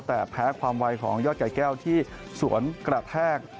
แต่แพ้ความไวของยอดไก่แก้วที่สวนกระแทก